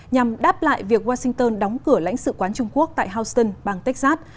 nhằm đáp lại việc washington đóng cửa lãnh sự quán trung quốc tại houston bang texas